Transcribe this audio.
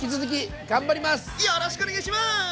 よろしくお願いします！